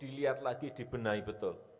dilihat lagi dibenahi betul